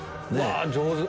上手！